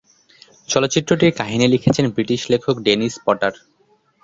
চলচ্চিত্রটির কাহিনী লিখেছেন ব্রিটিশ লেখক ডেনিস পটার।